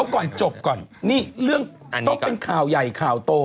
มันห่างไหมคะมันห่างมาก